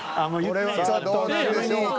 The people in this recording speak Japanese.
これはどうなんでしょうか。